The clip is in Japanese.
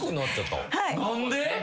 はい。